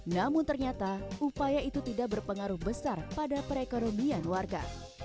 namun ternyata upaya itu tidak berpengaruh besar pada perekonomian warga